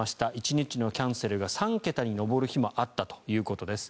１日のキャンセルが３桁に上る日もあったということです。